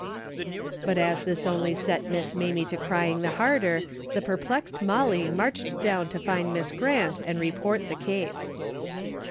But as this only set Miss Mamie to crying the harder, the perplexed Molly marched down to find Miss Grant and report the case.